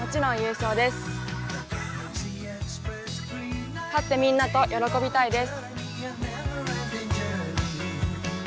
勝ってみんなと喜びたいです。